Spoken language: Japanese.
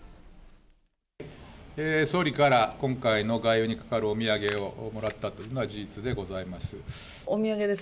総理から今回の外遊にかかるお土産をもらったというのは事実でございます。